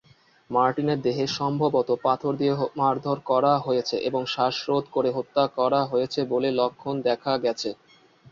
মার্টিনের দেহে সম্ভবত পাথর দিয়ে মারধর করা হয়েছে এবং শ্বাসরোধ করে হত্যা করা হয়েছে বলে লক্ষণ দেখা গেছে।